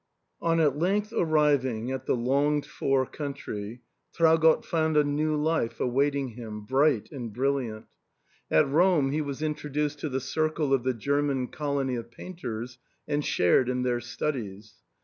On at length arriving at the longed for country, Traugott found a new life awaiting him, bright and brilliant. At Rome he was introduced to the circle of the German colony of painters and shared in their studies.